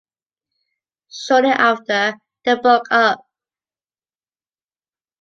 Shortly after, they broke up.